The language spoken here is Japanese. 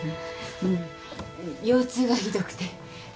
うん腰痛がひどくて。